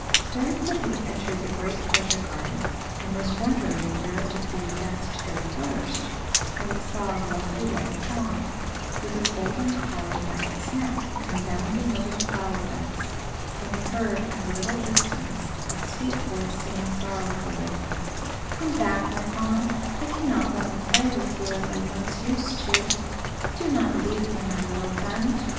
Fairyfoot had entered the great pleasure garden, and was wondering where it would be best to go first, when he saw a lovely white fawn, with a golden collar about its neck, come bounding over the flower beds, and he heard, at a little distance, a sweet voice, saying, sorrowfully, "Come back, my fawn; I cannot run and play with you as I once used to. Do not leave me, my little friend."